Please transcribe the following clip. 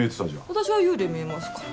私は幽霊見えますから。